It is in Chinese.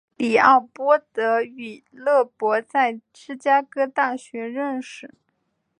李奥波德与勒伯在芝加哥大学认识。